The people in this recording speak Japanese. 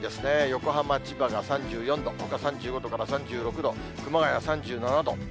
横浜、千葉が３４度、ほか３５度から３６度、熊谷３７度。